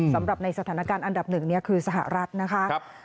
สำหรับในสถานการณ์อันดับหนึ่งคือสหรัฐนะคะ